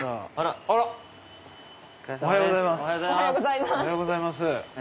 おはようございます。